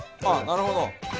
あっなるほど。